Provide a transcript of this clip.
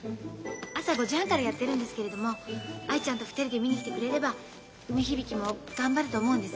朝５時半からやってるんですけれども藍ちゃんと二人で見に来てくれれば梅響も頑張ると思うんです。